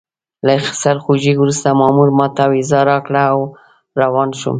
له سرخوږي وروسته مامور ماته ویزه راکړه او روان شوم.